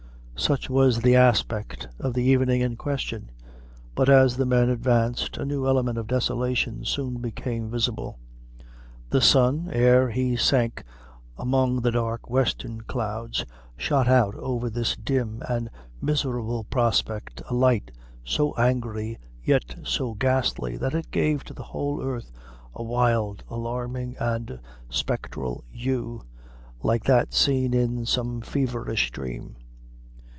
Such was the aspect of the evening in question: but as the men advanced, a new element of desolation soon became visible. The sun, ere he sank among the dark western clouds, shot out over this dim and miserable prospect a light so angry, yet so ghastly, that it gave to the whole earth a wild, alarming, and spectral hue, like that seen in some feverish dream.